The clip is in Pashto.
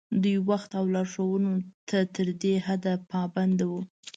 دوی وخت او لارښوونو ته تر دې حده پابند وو.